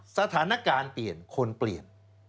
สถานการณ์เปลี่ยนคนเปลี่ยน